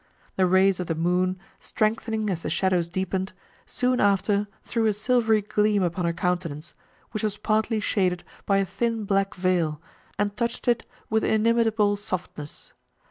The rays of the moon, strengthening as the shadows deepened, soon after threw a silvery gleam upon her countenance, which was partly shaded by a thin black veil, and touched it with inimitable softness.